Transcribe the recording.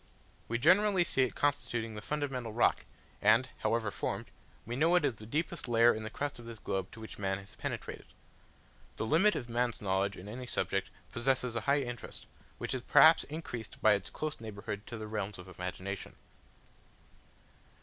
We generally see it constituting the fundamental rock, and, however formed, we know it is the deepest layer in the crust of this globe to which man has penetrated. The limit of man's knowledge in any subject possesses a high interest, which is perhaps increased by its close neighbourhood to the realms of imagination.